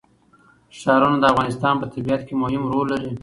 ښارونه د افغانستان په طبیعت کې مهم رول لري.